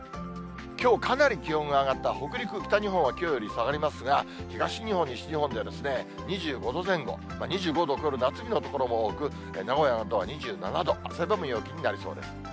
きょうかなり気温が上がった北陸、北日本はきょうより下がりますが、東日本、西日本で２５度前後、２５度を超える夏日の所も多く、名古屋などは２７度、汗ばむ陽気になりそうです。